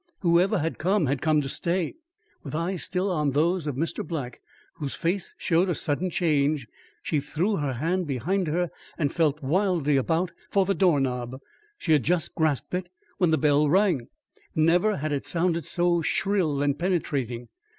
Whoever had come had come to stay. With eyes still on those of Mr. Black, whose face showed a sudden change, she threw her hand behind her and felt wildly about for the door knob. She had just grasped it when the bell rang. Never had it sounded so shrill and penetrating.